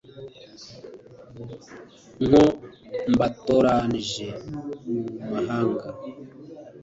nko mbatoranije mu mahanga